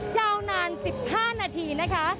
ยาวนาน๑๕นาทีนะคะ